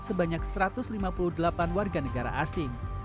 sebanyak satu ratus lima puluh delapan warga negara asing